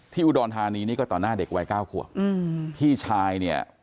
อุดรธานีนี่ก็ต่อหน้าเด็กวัยเก้าขวบอืมพี่ชายเนี่ย